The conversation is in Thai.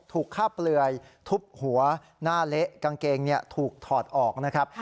ถูกฆ่าเปลือยทุบหัวหน้าเละกางเกงถูกถอดออกนะครับ